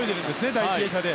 第１泳者で。